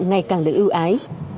ngày càng được ưu ái